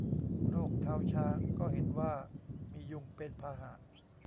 โรคเท้าช้าง ก็เห็นว่ามียุงเป็นพาหะ